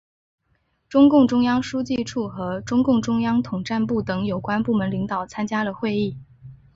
中共中央书记处和中共中央统战部等有关部门领导参加了会议。